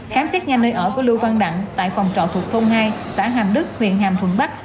khám xét nhanh nơi ở của lưu văn đặng tại phòng trọ thuộc thôn hai xã hàm đức huyện hàm thuận bắc